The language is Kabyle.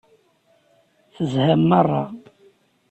Tezham meṛṛa.